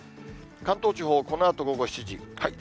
関東地方、このあと午後７時。